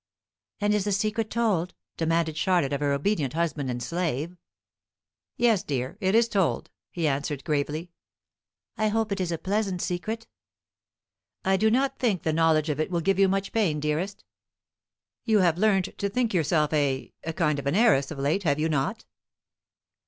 "And is the secret told?" demanded Charlotte of her obedient husband and slave. "Yes, dear, it is told," he answered gravely. "I hope it is a pleasant secret." "I do not think the knowledge of it will give you much pain, dearest. You have learnt to think yourself a a kind of an heiress of late, have you not?"